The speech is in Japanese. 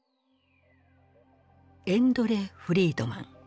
エンドレ・フリードマン。